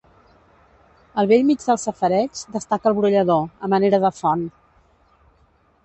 Al bell mig del safareig destaca el brollador, a manera de font.